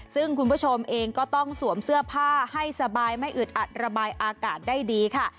ซึ่งคุณผู้ชมเองก็ต้องสวมเสื้อผ้าให้สบายไม่อึดอัดระบายอากาศได้ดีค่ะ